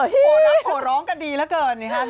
โหนับโหร้องกันดีแล้วเกินนะครับ